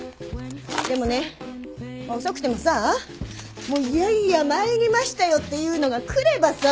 でもね遅くてもさいやいや参りましたよっていうのが来ればさ